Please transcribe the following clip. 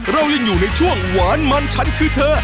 เรายังอยู่ในช่วงหวานมันฉันคือเธอ